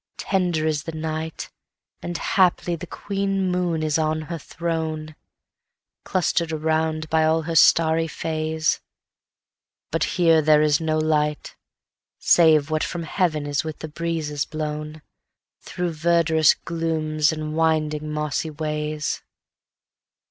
tender is the night, And haply the Queen Moon is on her throne, Cluster'd around by all her starry Fays; But here there is no light, Save what from heaven is with the breezes blownThrough verdurous glooms and winding mossy ways.